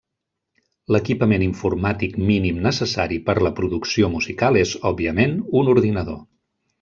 L'equipament informàtic mínim necessari per a la producció musical és, òbviament, un ordinador.